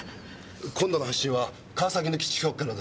今度の発信は川崎の基地局からです。